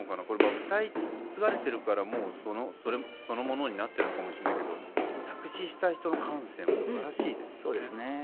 これ歌い継がれてるからもうそのそれそのものになってるのかもしれないけど作詞した人の感性もすばらしいですよね。